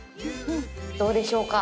どうでしょうか？